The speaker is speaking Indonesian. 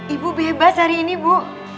ibu bebas hari ini bu